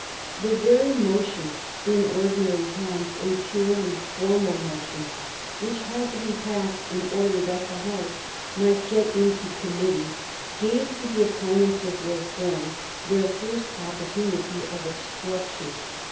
The very motion in ordinary times a purely formal motion which had to be passed in order that the House might get into committee, gave to the opponents of reform their first opportunity of obstruction.